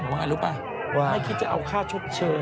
ว่าไงรู้ป่ะไม่คิดจะเอาค่าชดเชย